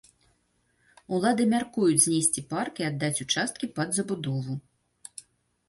Улады мяркуюць знесці парк і аддаць участкі пад забудову.